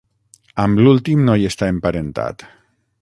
Amb l'últim no hi està emparentat.